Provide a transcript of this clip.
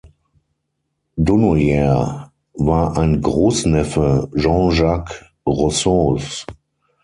Dunoyer war ein Großneffe Jean-Jacques Rousseaus.